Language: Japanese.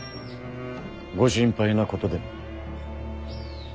ご心配なことでも？